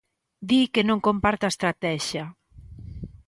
Di que non comparte a estratexia.